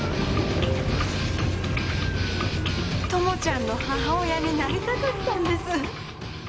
友ちゃんの母親になりたかったんです。